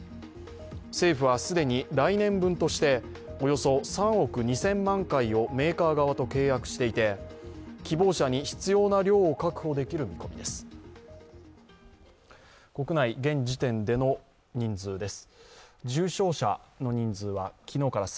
政府は既に来年分としておよそ３億２０００万回をメーカー側と契約していて希望者に必要な量を確保できる見込みです。